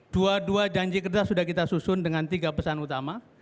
dua dua janji kerja sudah kita susun dengan tiga pesan utama